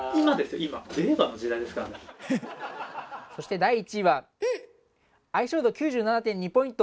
そして第１位は相性度９７．２ポイント！